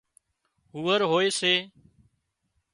هوئرهوئي سي